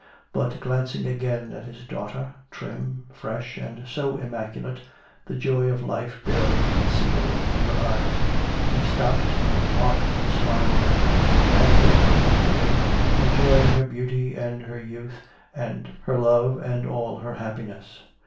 But glancing again at his daughter, trim, fresh and so immaculate, the joy of life barely concealed in her eyes, he stopped and talked and smiled at her, as Deborah was doing, enjoying her beauty and her youth, her love and all her happiness.